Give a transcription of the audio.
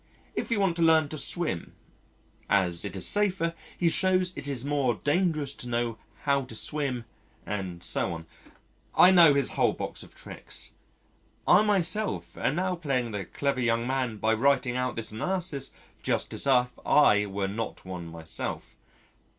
If you want to learn to swim as it is safer, he shows it is more dangerous to know how to swim and so on. I know his whole box of tricks. I myself am now playing the clever young man by writing out this analysis just as if I were not one myself.